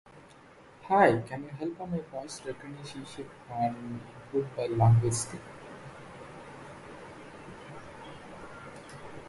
They also offer home Internet plans.